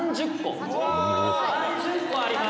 「３０個あります」